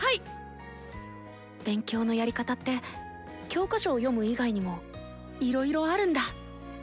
心の声勉強のやり方って教科書を読む以外にもいろいろあるんだ！